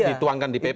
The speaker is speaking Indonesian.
dituangkan di pp